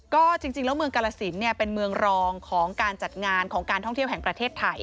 ก็จริงแล้วเมืองกาลสินเป็นเมืองรองของการจัดงานของการท่องเที่ยวแห่งประเทศไทย